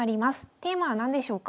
テーマは何でしょうか。